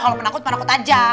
kalau menakut menakut aja